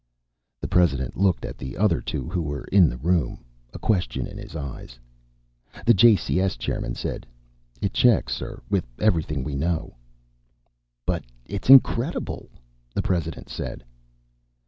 The President looked at the other two who were in the room, a question in his eyes. The JCS chairman said, "It checks, sir, with everything we know." "But it's incredible!" the President said.